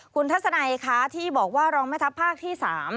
คุณทัศนัยคะที่บอกว่ารองแม่ทัพภาคที่๓